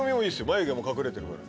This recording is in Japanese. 眉毛も隠れてるから。